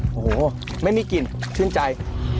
โอ้โหไม่มีกลิ่นชื่นใจ